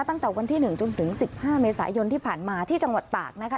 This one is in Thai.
ตั้งแต่วันที่๑จนถึง๑๕เมษายนที่ผ่านมาที่จังหวัดตากนะคะ